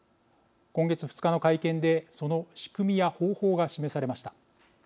今月２日の会見でその仕組みや方法が示されました。